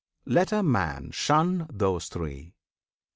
Let a man shun those three!